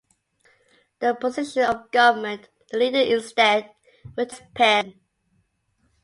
The position of government leader instead went to Chris Pearson.